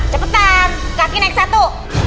cepetan kaki naik satu